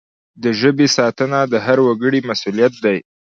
د ژبي ساتنه د هر وګړي مسؤلیت دی.